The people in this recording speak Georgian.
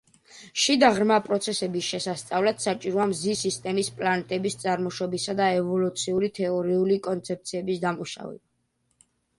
შიდა ღრმა პროცესების შესასწავლად საჭიროა მზის სისტემის პლანეტების წარმოშობისა და ევოლუციურ თეორიული კონცეფციების დამუშავება.